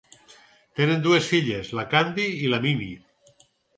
Tenen dues filles, la Candy i la Mimi.